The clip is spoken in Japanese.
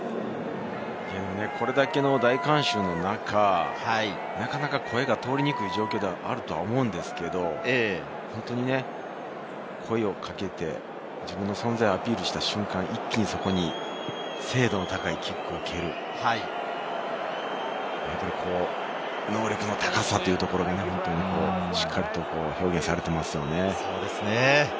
これだけの大観衆の中、なかなか声が通りにくい状況だと思うんですけれど、本当に声をかけて、自分の存在をアピールした瞬間、一気に精度の高いキックを蹴る能力の高さが表現されていますよね。